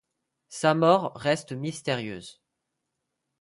Sa mort reste mystérieuse.